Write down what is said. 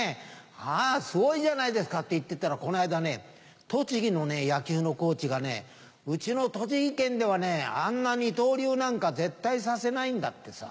あぁすごいじゃないですかって言ってたらこないだね栃木の野球のコーチがねうちの栃木県ではねあんな二刀流なんか絶対させないんだってさ。